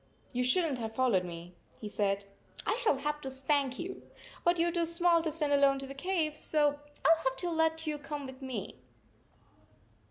"You shouldn t have followed me," he said. " I shall have to spank you. But you are too small to send alone to the cave, so I 11 have to let you come with me."